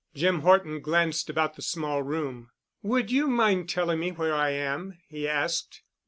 Jim Horton glanced about the small room. "Would you mind telling me where I am?" he asked.